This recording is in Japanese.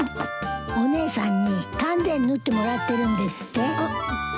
お姉さんに丹田塗ってもらってるんですって。